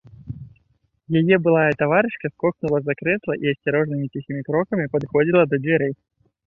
Яе былая таварышка скокнула з-за крэсла і асцярожнымі ціхімі крокамі падыходзіла да дзвярэй.